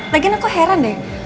lagian aku heran deh